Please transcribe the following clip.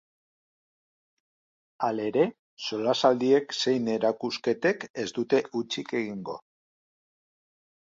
Halere, solasaldiek zein erakusketek ez dute hutsik egingo.